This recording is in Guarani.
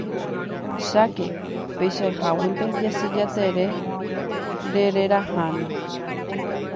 Cháke, peichaháguinte Jasy Jatere ndereraháne.